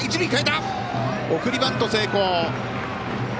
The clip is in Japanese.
送りバント成功。